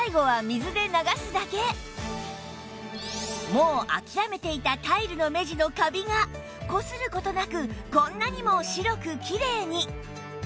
もう諦めていたタイルの目地のカビがこする事なくこんなにも白くキレイに